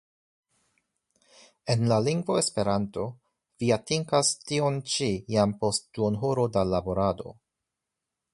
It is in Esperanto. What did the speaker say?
En la lingvo Esperanto vi atingas tion ĉi jam post duonhoro da laborado!